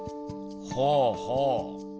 ほうほう。